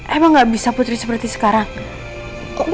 emang gak bisa putri seperti sekarang